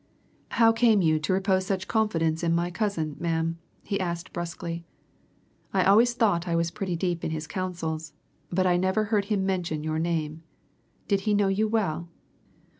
"How came you to repose such confidence in my cousin, ma'am?" he asked brusquely. "I always thought I was pretty deep in his counsels, but I never heard him mention your name. Did he know you well?"